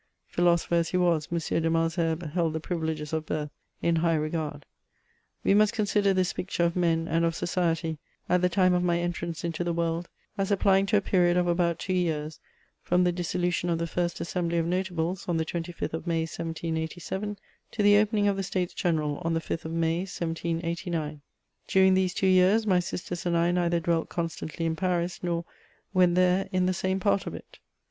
Philosopher as he was, M. de Malesherbes held the priyileges of birth in high regard. We must consider this picture of men and of society, at the time of my entrance into the world, as applying to a period of about two years from the dissolution of the first Assembly of Notables, on the 25th of May, 1*787, to the opening of the States General, on the 5th of May, 1 789. During these two years, my sisters and I neither dwelt constantly in Paris, nor, when there, in the same part of it.